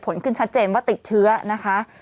ขึ้นชัดเจนว่าติดเชื้อนะคะ